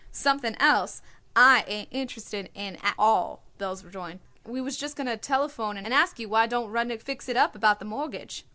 "Something else I ain't interested in at all," Belz rejoined. "We was just going to telephone and ask you why don't Rudnik fix it up about the mortgage?"